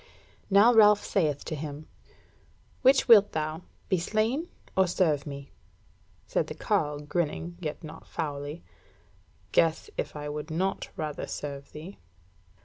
Now Ralph saith to him: "Which wilt thou be slain, or serve me?" Said the carle, grinning, yet not foully: "Guess if I would not rather serve thee!"